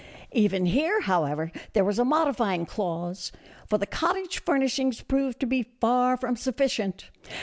Even here, however, there was a modifying clause ; for the cottage furnishings proved to be far from sufficient.